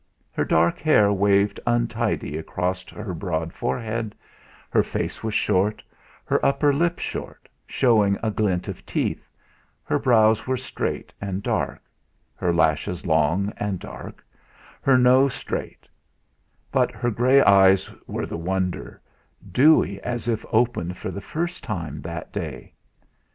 Her dark hair waved untidy across her broad forehead, her face was short, her upper lip short, showing a glint of teeth, her brows were straight and dark, her lashes long and dark, her nose straight; but her grey eyes were the wonder dewy as if opened for the first time that day.